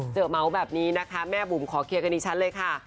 เมาส์แบบนี้นะคะแม่บุ๋มขอเคลียร์กับดิฉันเลยค่ะ